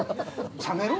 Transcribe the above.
◆冷めるわ。